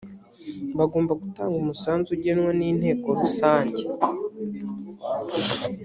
bagomba gutanga umusanzu ugenwa n inteko rusange